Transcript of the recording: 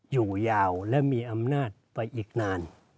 อยู่ยาวและมีอำนาจไปอีกนาน